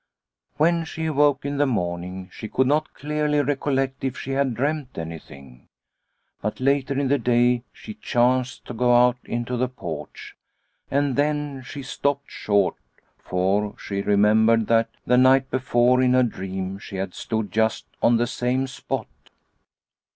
When she awoke in the morning she could not clearly recollect if she had dreamt anything. But, later in the day, she chanced to go out into the porch. And then she stopped short, for she remembered that the night before in her dream she had stood just on the same spot.